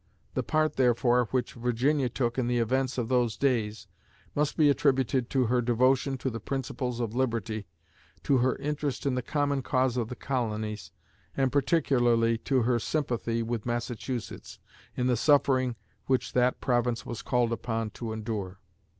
The part, therefore, which Virginia took in the events of those days must be attributed to her devotion to the principles of liberty, to her interest in the common cause of the colonies, and particularly to her sympathy with Massachusetts in the suffering which that province was called upon to endure.